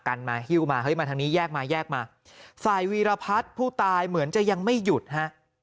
กันมาฮิ้วมาเฮ้ยมาทางนี้แยกมาแยกมาฝ่ายวีรพัฒน์ผู้ตายเหมือนจะยังไม่หยุดฮะ